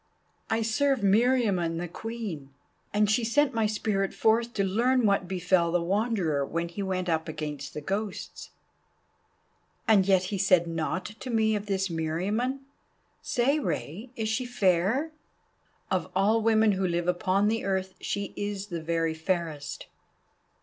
"I serve Meriamun the Queen, and she sent my spirit forth to learn what befell the Wanderer when he went up against the Ghosts." "And yet he said naught to me of this Meriamun. Say, Rei, is she fair?" "Of all women who live upon the earth she is the very fairest."